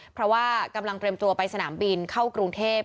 เพราะว่ากำลังเตรียมตัวไปสนามบินเข้ากรุงเทพ